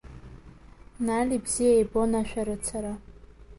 Нали бзиа ибон ашәарыцара.